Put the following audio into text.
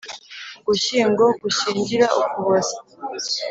Ugushyingo gushyingira Ukuboza